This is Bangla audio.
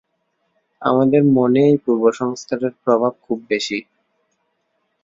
আমাদের মনে এই পূর্ব-সংস্কারের প্রভাব খুব বেশী।